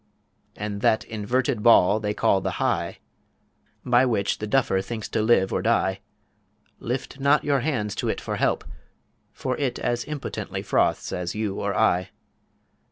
And that inverted Ball they call the High By which the Duffer thinks to live or die, Lift not your hands to IT for help, for it As impotently froths as you or I.